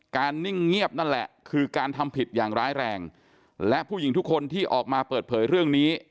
นิ่งเงียบนั่นแหละคือการทำผิดอย่างร้ายแรงและผู้หญิงทุกคนที่ออกมาเปิดเผยเรื่องนี้